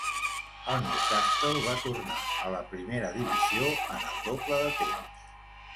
El Newcastle va tornar a la primera divisió en el doble de temps.